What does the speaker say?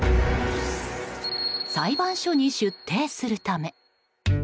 裁判所に出廷するため。